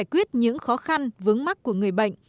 quyết những khó khăn vướng mắt của người bệnh